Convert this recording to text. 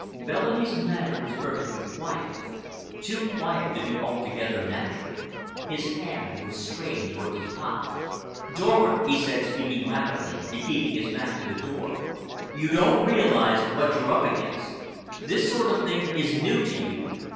Bellamy's manner was perfectly quiet—too quiet to be altogether natural. His hand was straying towards his pocket. "Dorward," he said, speaking rapidly, and keeping his back to the door, "you don't realize what you're up against. This sort of thing is new to you.